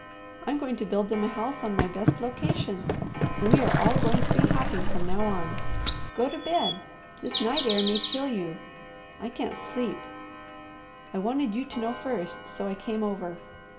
I'm going to build them a house on my best location, and we are all going to be happy from now on. Go to bed! This night air may chill you. I can't sleep. I wanted you to know first so I came over.